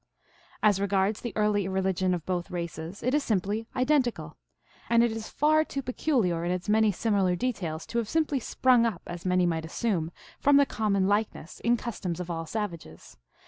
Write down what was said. As regards the early religion of both races, it is simply identical, and it is far too peculiar in its many similar details to have simply sprung up, as many might assume, from the common likeness in customs of all savages.